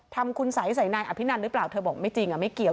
ทำคุณสัยใส่นายอภินันหรือเปล่าเธอบอกไม่จริงไม่เกี่ยว